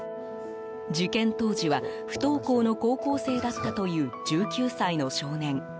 事件当時は不登校の高校生だったという１９歳の少年。